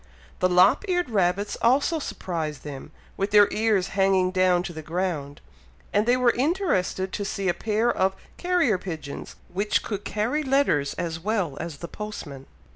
The lop eared rabbits also surprised them, with their ears hanging down to the ground, and they were interested to see a pair of carrier pigeons which could carry letters as well as the postman.